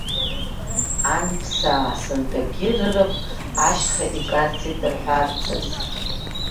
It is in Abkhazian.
Анԥсаа сынтәагьы рырахә ашьха икарцеит рҳәарцаз?